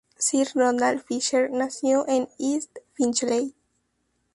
Sir Ronald Fisher nació en East Finchley.